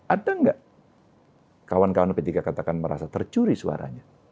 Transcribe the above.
ada nggak kawan kawan p tiga katakan merasa tercuri suaranya